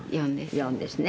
４ですね。